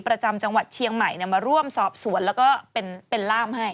ประจำจังหวัดเชียงใหม่มาร่วมสอบสวนแล้วก็เป็นล่ามให้